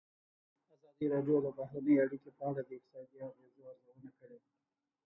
ازادي راډیو د بهرنۍ اړیکې په اړه د اقتصادي اغېزو ارزونه کړې.